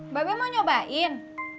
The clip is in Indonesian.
mbak be mau nyobain